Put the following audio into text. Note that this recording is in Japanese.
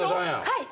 はい。